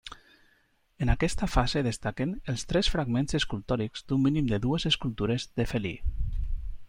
En aquesta fase destaquen els tres fragments escultòrics d'un mínim de dues escultures de felí.